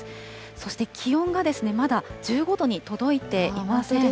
そして気温がまだ１５度に届いていません。